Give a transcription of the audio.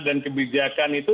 dan kebijakan itu